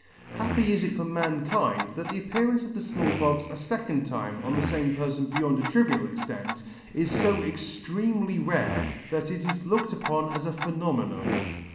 Happy is it for mankind that the appearance of the Small Pox a fecond time on the fame perfon beyond a trivial extent, is fo extremely rare, that it is looked upon as a phenomenon.